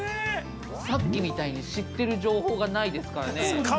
さっきみたいに知ってる情報がないですからね。